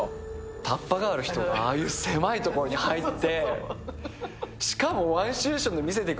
タッパがある人がああいう狭いところに入って。